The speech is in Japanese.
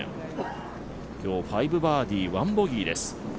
今日５バーディー・１ボギーです。